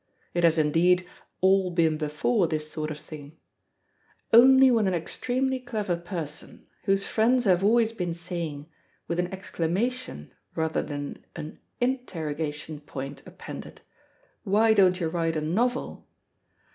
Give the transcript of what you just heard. It has indeed "all been before, this sort of thing"; only when an extremely clever person, whose friends have always been saying, with an exclamation rather than an interrogation point appended, "Why don't you write a novel!"